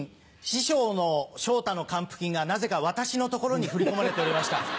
師匠の昇太の還付金がなぜか私のところに振り込まれておりました。